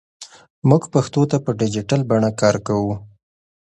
موږ پښتو ته په ډیجیټل بڼه کار کوو.